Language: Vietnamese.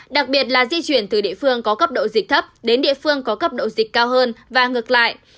đặc biệt là di chuyển từ địa phương có cấp độ dịch thấp đến địa phương có cấp độ dịch cao hơn và ngược lại